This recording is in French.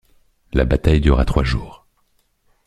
La bataille dura trois jours.